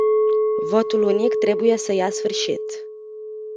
Votul unic trebuie să ia sfârșit.